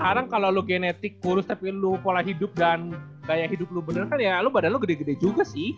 kadang kalau lu genetik kurus tapi lu pola hidup dan gaya hidup lu bener kan ya lu badan lu gede gede juga sih